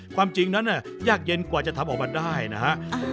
ความจริงนั้นยากเย็นกว่าจะทำออกมาได้นะฮะ